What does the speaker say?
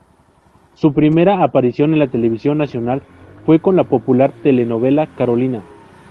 Su primera aparición en la televisión nacional fue con la popular telenovela "Carolina".